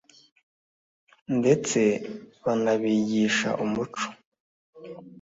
ndetse banabigisha umuco